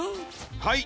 はい！